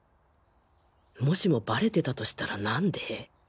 もしもバレてたとしたらなんで？